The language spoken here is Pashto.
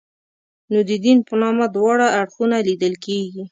نو د دین په نامه دواړه اړخونه لیدل کېږي.